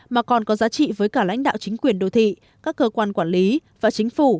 mà còn có giá trị với cả lãnh đạo chính quyền đô thị các cơ quan quản lý và chính phủ